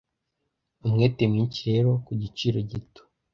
umwete mwinshi rero ku giciro gito